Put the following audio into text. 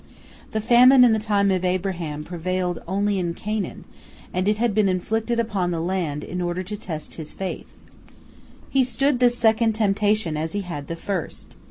" The famine in the time of Abraham prevailed only in Canaan, and it had been inflicted upon the land in order to test his faith. He stood this second temptation as he had the first.